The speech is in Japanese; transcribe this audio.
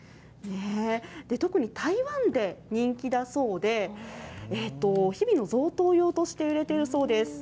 特に台湾で人気だそうで、日々の贈答用として売れてるそうです。